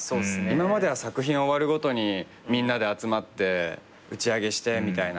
今までは作品終わるごとにみんなで集まって打ち上げして。